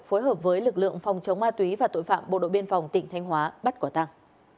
phối hợp với lực lượng phòng chống ma túy và tội phạm bộ đội biên phòng tỉnh thanh hóa bắt quả tăng